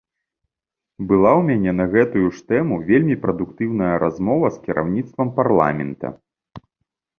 Была ў мяне на гэтую ж тэму вельмі прадуктыўная размова з кіраўніцтвам парламента.